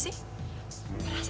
lo kenapa sih